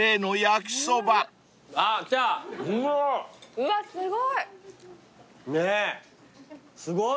うわすごい。